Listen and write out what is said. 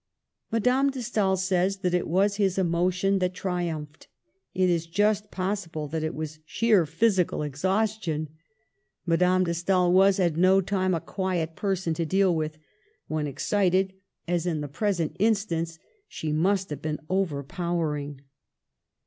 Madame de Stael says it was his emotion that tri umphed; it is just possible that it was sheer Digitized by VjOOQLC RETIRES TO COPPET. 73 physical exhaustion. Madame de Stael was at no time a quiet person to deal with ; when excited, as in the present instance, she must have been overpowering.